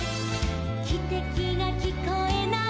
「きてきがきこえない」